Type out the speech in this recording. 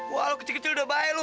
wah lo kecil kecil udah baik lo